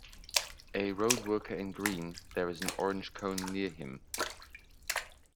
A road worker in green, there is an orange cone near him.